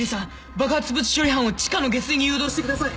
爆発物処理班を地下の下水に誘導してください。